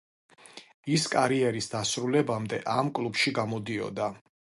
ის კარიერის დასრულებამდე ამ კლუბში გამოდიოდა.